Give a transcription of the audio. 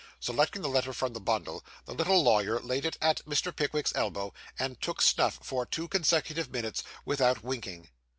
Selecting the letter from the bundle, the little lawyer laid it at Mr. Pickwick's elbow, and took snuff for two consecutive minutes, without winking.